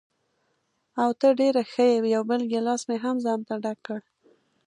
اوه، ته ډېره ښه یې، یو بل ګیلاس مې هم ځانته ډک کړ.